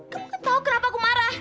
kamu gak tau kenapa aku marah